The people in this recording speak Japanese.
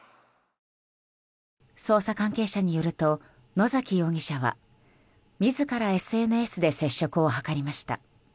捜査関係者によると野崎容疑者は自らＳＮＳで接触を図りました。